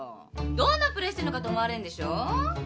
どんなプレーしてんのかと思われんでしょ？だって。